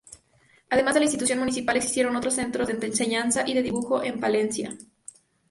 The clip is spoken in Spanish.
Además de la institución municipal, existieron otros centros de enseñanza del dibujo en Palencia.